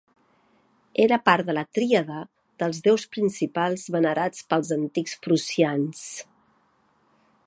Era part de la tríada dels déus principals venerats pels antics prussians.